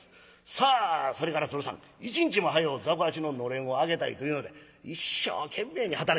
さあそれから鶴さん一日も早う雑穀八の暖簾を上げたいというので一生懸命に働きます。